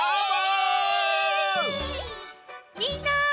みんな！